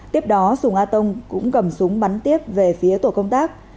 tiếp đó sùng a tông cũng cầm súng bắn tiếp về phía tổ công tác